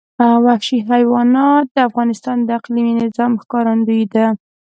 وحشي حیوانات د افغانستان د اقلیمي نظام ښکارندوی ده.